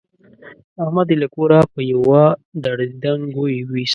احمد يې له کوره په يوه دړدنګ ویوست.